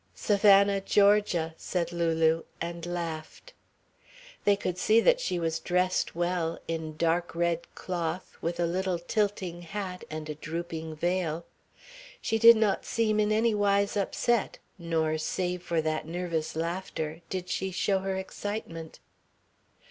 "Savannah, Georgia," said Lulu, and laughed. They could see that she was dressed well, in dark red cloth, with a little tilting hat and a drooping veil. She did not seem in any wise upset, nor, save for that nervous laughter, did she show her excitement.